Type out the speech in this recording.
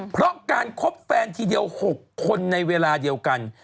เพราะการคบแฟนทีเดียว๖คนในเวลาเดียวกัน